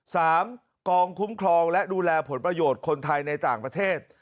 กองคุ้มครองและดูแลผลประโยชน์คนไทยในต่างประเทศ